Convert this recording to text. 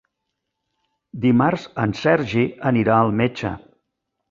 Dimarts en Sergi anirà al metge.